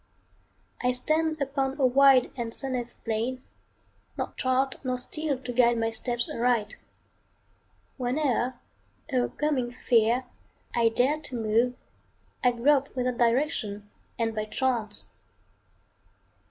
I stand upon a wide and sunless plain, Nor chart nor steel to guide my steps aright. Whene'er, o'ercoming fear, I dare to move, I grope without direction and by chance.